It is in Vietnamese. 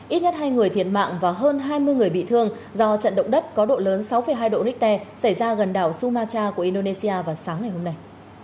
ít nhất hai người thiệt mạng và hơn hai mươi người bị thương do trận động đất có độ lớn sáu hai độ richter xảy ra gần đảo sumatra của indonesia vào sáng ngày hôm nay